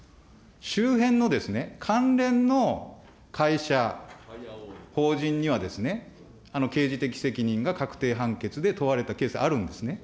周辺のですね、関連の会社、法人には刑事的責任が確定判決で問われたケース、あるんですね。